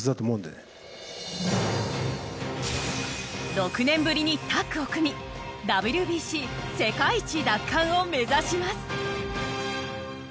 ６年ぶりにタッグを組みＷＢＣ世界一奪還を目指します。